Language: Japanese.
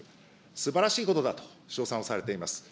すばらしいことだと称賛をされています。